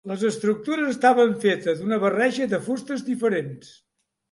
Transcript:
Les estructures estaven fetes d'una barreja de fustes diferents.